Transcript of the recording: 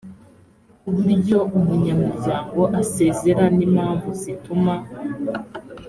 uburyo umunyamuryango asezera n impamvu zituma